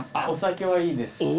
お酒はいいです。